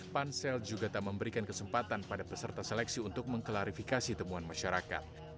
pansel juga tak memberikan kesempatan pada peserta seleksi untuk mengklarifikasi temuan masyarakat